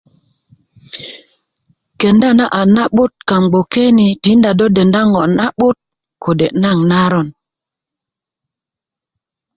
kenda a na'but kaŋ gboke ni tinda do denda ŋo na'but kode' naŋ naron